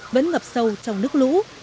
vẫn ngập sâu trong nước lũ